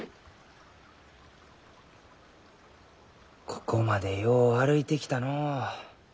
ここまでよう歩いてきたのう。